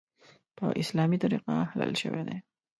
په اسلامي طریقه حلال شوی دی .